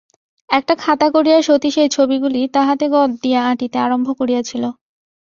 একটা খাতা করিয়া সতীশ এই ছবিগুলি তাহাতে গঁদ দিয়া আঁটিতে আরম্ভ করিয়াছিল।